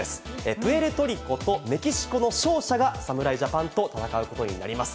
プエルトリコとメキシコの勝者が侍ジャパンと戦うことになります。